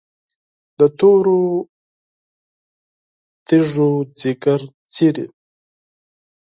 د تورو تیږو ځیګر څیري،